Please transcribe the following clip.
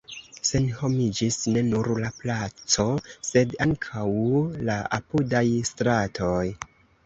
Senhomiĝis ne nur la placo, sed ankaŭ la apudaj stratoj.